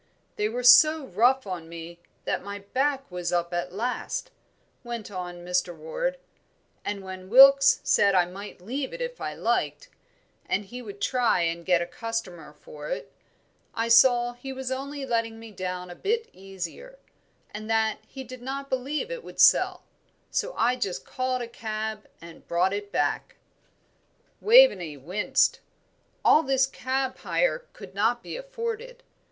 "They were so rough on me that my back was up at last," went on Mr. Ward, "and when Wilkes said I might leave it if I liked, and he would try and get a customer for it, I saw he was only letting me down a bit easier, and that he did not believe it would sell, so I just called a cab and brought it back." Waveney winced. All this cab hire could not be afforded.